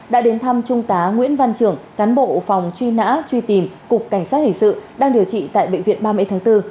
đã đến thăm trung tá nguyễn văn trưởng cán bộ phòng truy nã truy tìm cục cảnh sát hình sự đang điều trị tại bệnh viện ba mươi tháng bốn